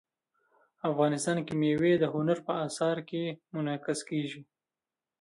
افغانستان کې مېوې د هنر په اثار کې منعکس کېږي.